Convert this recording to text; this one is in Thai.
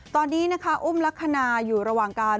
ตอนนี้นะคะอุ้มลักษณะอยู่ระหว่างการ